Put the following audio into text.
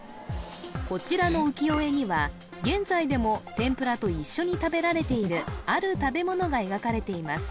こちらの浮世絵には現在でも天ぷらと一緒に食べられているある食べ物が描かれています